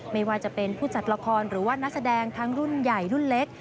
ไม่ว่าจะเป็นผู้จัดละครหรือว่านักแสดงทั้งรุ่นใหญ่รุ่นเล็ก